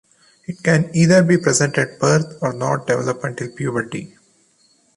It can either be present at birth or not develop until puberty.